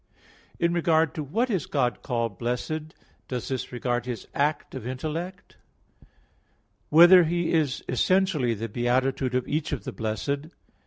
(2) In regard to what is God called blessed; does this regard His act of intellect? (3) Whether He is essentially the beatitude of each of the blessed?